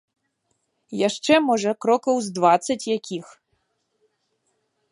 Яшчэ, можа, крокаў з дваццаць якіх.